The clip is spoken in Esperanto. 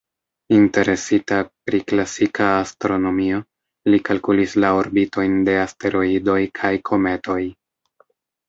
Interesita pri klasika astronomio, li kalkulis la orbitojn de asteroidoj kaj kometoj.